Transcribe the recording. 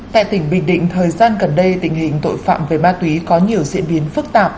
tại tỉnh bình định thời gian gần đây tình hình tội phạm về ma túy có nhiều diễn biến phức tạp